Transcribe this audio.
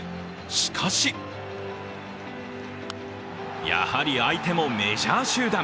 しかしやはり相手もメジャー集団。